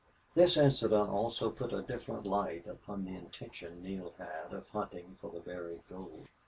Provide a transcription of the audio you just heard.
This incident also put a different light upon the intention Neale had of hunting for the buried gold.